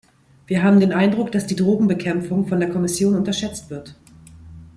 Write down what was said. Wir haben den Eindruck, dass die Drogenbekämpfung von der Kommission unterschätzt wird.